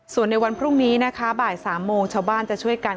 ส่วนในวันพรุ่งนี้นะคะบ่าย๓โมงชาวบ้านจะช่วยกัน